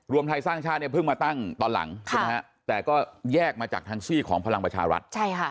ไทยสร้างชาติเนี่ยเพิ่งมาตั้งตอนหลังแต่ก็แยกมาจากทางซี่ของพลังประชารัฐ